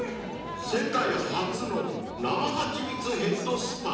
［世界初の生はちみつヘッドスパ］